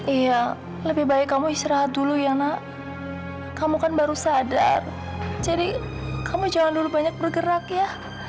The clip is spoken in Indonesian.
iya lebih baik kamu istirahat dulu ya nak kamu kan baru sadar jadi kamu jangan dulu banyak bergerak ya